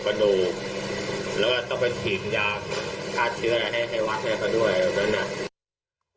เบื้องต้น๑๕๐๐๐และยังต้องมีค่าสับประโลยีอีกนะครับ